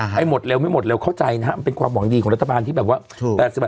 ให้หมดเร็วไม่หมดเร็วเข้าใจนะฮะมันเป็นความหวังดีของรัฐบาลที่แบบว่า